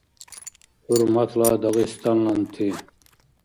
ХӀурматла дагъистанланти!